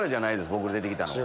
僕出てきたのは。